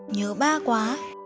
nhớ ba quá